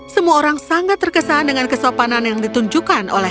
semua orang sangat terkesan dengan kesopanan yang ditunjukkan oleh